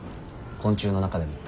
昆虫の中でも。